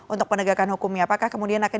untuk penegakan hukumnya